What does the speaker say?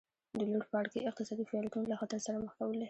د لوړ پاړکي اقتصادي فعالیتونه له خطر سره مخ کولې